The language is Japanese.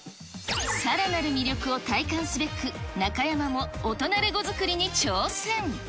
さらなる魅力を体感すべく、中山も大人レゴ作りに挑戦。